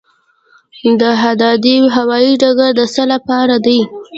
دهدادي هوايي ډګر د څه لپاره دی؟